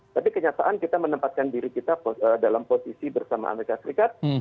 tapi kenyataan kita menempatkan diri kita dalam posisi bersama amerika serikat